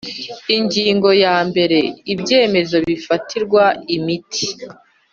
Ingingo yambere Ibyemezo bifatirwa imiti